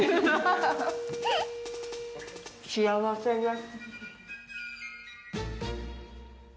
幸せです。